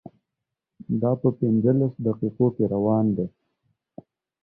دا په پنځلس دقیقو کې روان دی.